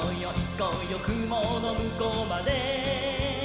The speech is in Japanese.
こうよくものむこうまで」